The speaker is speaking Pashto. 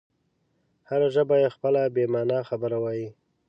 هره ژبه یې خپله بې مانا خبره وایي.